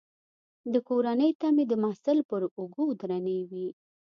د کورنۍ تمې د محصل پر اوږو درنې وي.